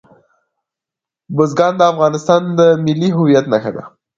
بزګان د افغانستان د ملي هویت نښه ده.